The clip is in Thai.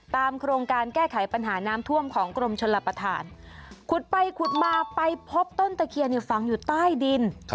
โครงการแก้ไขปัญหาน้ำท่วมของกรมชนรับประทานขุดไปขุดมาไปพบต้นตะเคียนฝังอยู่ใต้ดิน